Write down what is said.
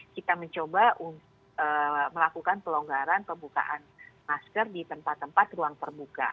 kita mencoba melakukan pelonggaran pembukaan masker di tempat tempat ruang terbuka